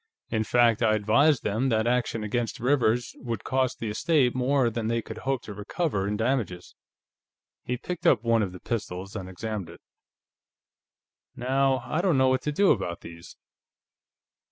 In fact, I advised them that action against Rivers would cost the estate more than they could hope to recover in damages." He picked up one of the pistols and examined it. "Now, I don't know what to do about these."